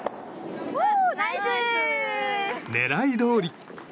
狙いどおり。